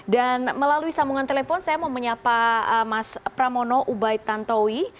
dan melalui sambungan telepon saya mau menyapa mas pramono ubaid tantowi